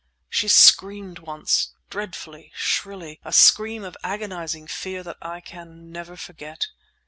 She screamed once, dreadfully—shrilly—a scream of agonizing fear that I can never forget.